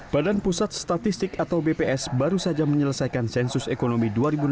badan pusat statistik atau bps baru saja menyelesaikan sensus ekonomi dua ribu enam belas